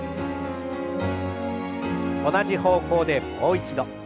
同じ方向でもう一度。